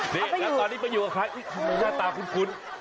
นี่แล้วตอนนี้ไปอยู่กับใครทำไมหน้าตาคุ้น